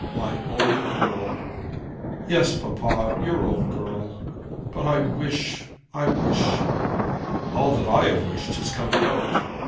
My own girl!" "Yes, papa, your own girl. But I wish, I wish " "All that I have wished has come about."